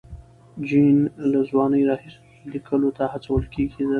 جین له ځوانۍ راهیسې لیکلو ته هڅول کېده.